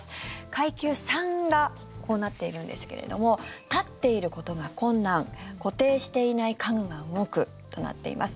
階級３がこうなっているんですけれども立っていることが困難固定していない家具が動くとなっています。